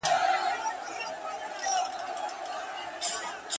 چي دا ستا معاش نو ولي نه ډيريږي.